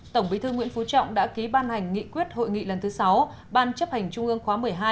tổng bí thư nguyễn phú trọng đã ký ban hành nghị quyết hội nghị lần thứ sáu ban chấp hành trung ương khóa một mươi hai